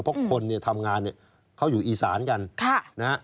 เพราะคนทำงานเขาอยู่อีสานกัน